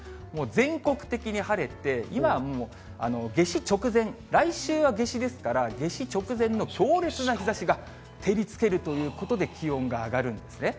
全国的に晴れて、今はもう夏至直前、来週は夏至ですから、夏至直前の強烈な日ざしが照りつけるということで、気温が上がるんですね。